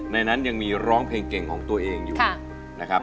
นั้นยังมีร้องเพลงเก่งของตัวเองอยู่นะครับ